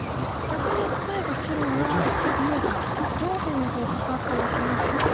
逆に例えば白が何か上辺の方カカったりしますと。